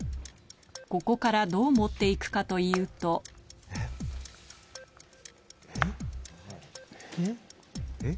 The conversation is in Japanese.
ここからどう持っていくかというとえっ？